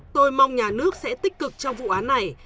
tôi mong nhà nước sẽ tích cực trong vụ án này